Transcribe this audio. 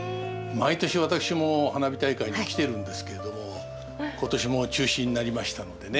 毎年私も花火大会で来てるんですけれども今年も中止になりましたのでね